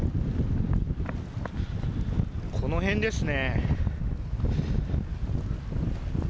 この辺ですね。